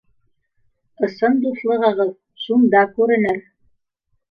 Ысын дуҫлығығыҙ шунда күренер.